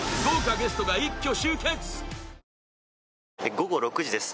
午後６時です。